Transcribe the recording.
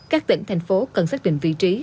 các tỉnh thành phố cần xác định vị trí